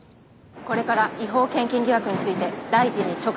「これから違法献金疑惑について大臣に直接聞いてみます」